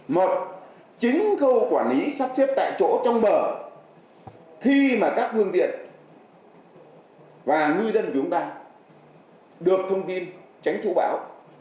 một chính khâu quản lý sắp xếp tại chỗ trong bờ khi mà các phương tiện và ngư dân của chúng ta được thông tin tránh thu bão